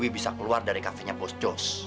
bisa keluar dari kafenya bos jos